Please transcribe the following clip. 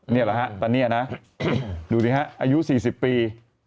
นี่แหละฮะตอนนี้นะดูสิฮะอายุ๔๐ปี